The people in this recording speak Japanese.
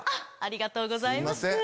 ありがとうございます。